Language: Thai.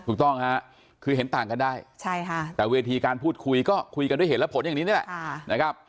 ถูกต้องฮะคือเห็นต่างกันได้แต่เวทีการพูดคุยก็คุยกันด้วยเหตุและผลอย่างนี้นี่แหละนะครับ